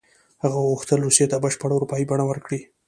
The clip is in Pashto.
هغه غوښتل روسیې ته بشپړه اروپایي بڼه ورکړي.